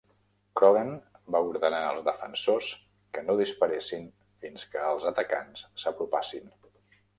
Croghan va ordenà els defensors que no disparessin fins que els atacants s'apropassin.